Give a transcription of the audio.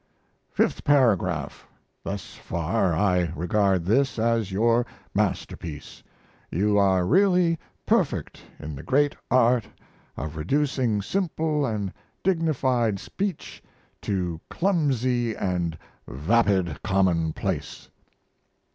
Fifth Paragraph. Thus far I regard this as your masterpiece! You are really perfect in the great art of reducing simple & dignified speech to clumsy & vapid commonplace.